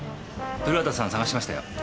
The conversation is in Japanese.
古畑さん捜してましたよ。